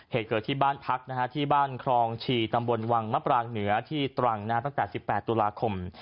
เหตุเกิดที่บ้านพักที่บ้านครองชีตำบลวังมะปรางเหนือที่ตรังตั้งแต่๑๘ตุลาคม